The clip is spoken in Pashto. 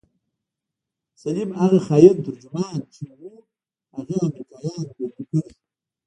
سليم هغه خاين ترجمان چې و هغه امريکايانو بندي کړى.